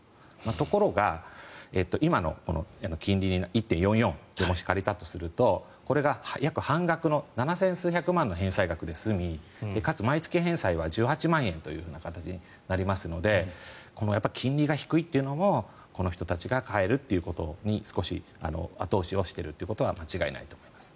ところが、今の金利１．４４で借りたとするとこれが約半額の７０００数百万の返済額で済みかつ、毎月返済は１８万円という形になりますので金利が低いというのもこの人たちが買えるということに後押しをしているということは間違いないと思います。